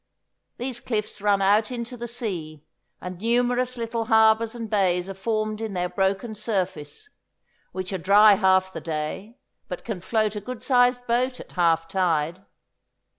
These cliffs run out into the sea, and numerous little harbours and bays are formed in their broken surface, which are dry half the day, but can float a good sized boat at half tide.